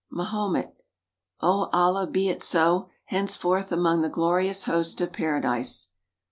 Mahomet. "Oh Allah, be it so! Henceforth among the glorious host of Paradise."